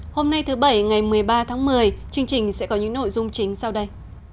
hôm nay thứ bảy ngày một mươi ba tháng một mươi chương trình sẽ có những nội dung chính sau đây